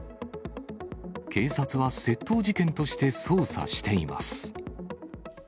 警察は窃盗事件として捜査しています。